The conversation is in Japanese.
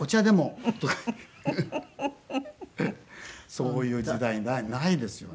そういう時代ないですよね。